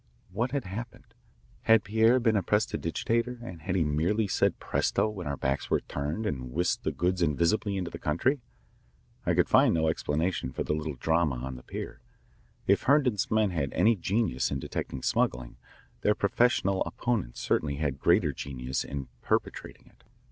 What had happened? Had Pierre been a prestidigitator and had he merely said presto when our backs were turned and whisked the goods invisibly into the country? I could find no explanation for the little drama on the pier. If Herndon's men had any genius in detecting smuggling, their professional opponent certainly had greater genius in perpetrating it.